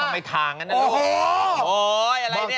ทำไมทางด้วยนะ